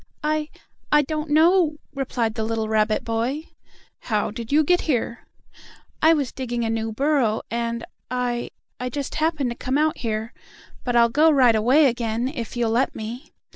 "I I don't know," replied the little rabbit boy. "How did you get here?" "I was digging a new burrow, and I I just happened to come out here. But I'll go right away again, if you'll let me."